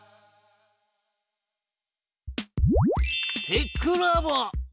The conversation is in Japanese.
テックラボ。